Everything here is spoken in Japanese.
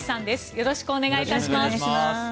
よろしくお願いします。